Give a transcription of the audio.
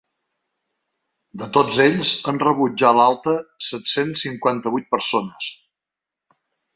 De tots ells, han rebut ja l’alta set-cents cinquanta-vuit persones.